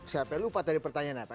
saya sampai lupa tadi pertanyaan apa